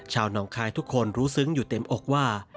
น้องคายทุกคนรู้ซึ้งอยู่เต็มอกว่า